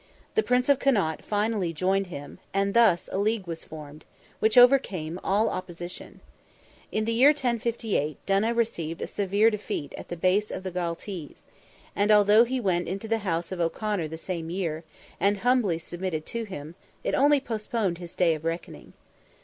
The Prince of Connaught finally joined him, and thus, a league was formed, which overcame all opposition. In the year 1058, Donogh received a severe defeat at the base of the Galtees; and although he went into the house of O'Conor the same year, and humbly submitted to him, it only postponed his day of reckoning.